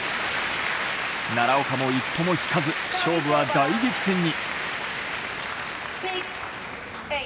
奈良岡も一歩も引かず勝負は大激戦に。